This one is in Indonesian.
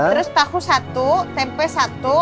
terus tahu satu tempe satu